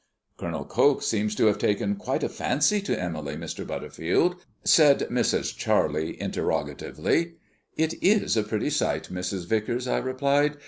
"Col. Coke seems to have taken quite a fancy to Emily, Mr. Butterfield?" said Mrs. Charlie interrogatively. "It is a pretty sight, Mrs. Vicars," I replied.